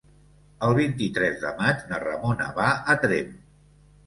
El vint-i-tres de maig na Ramona va a Tremp.